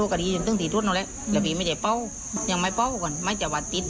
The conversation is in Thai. ก็ยังไม่ใจฝันการฟ้องน้อย